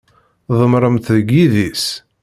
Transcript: Demmren-tt deg yidis.